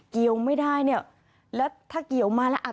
เกี่ยวไม่ได้เนี่ยแล้วถ้าเกี่ยวมาแล้วอ่ะ